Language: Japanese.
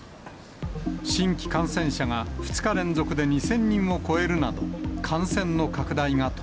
新規感染者が２日連続で２０００人を超えるなど、感染の拡大が止